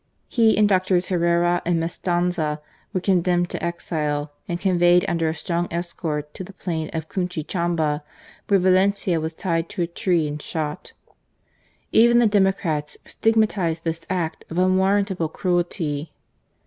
He and Drs. Herrera and Mestanza were condemned to exile, and con veyed under a strong escort to the plain of Cunchi chamba, where Valentia was tied to a tree and shot. Even the democrats stigmatized this act of unwarrantable cruelty.